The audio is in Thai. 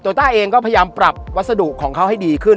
ต้าเองก็พยายามปรับวัสดุของเขาให้ดีขึ้น